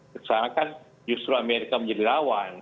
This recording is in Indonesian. karena kan justru amerika menjadi lawan